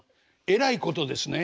えらいことですね。